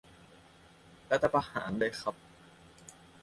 รัฐประหารเลยครับ